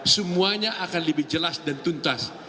semuanya akan lebih jelas dan tuntas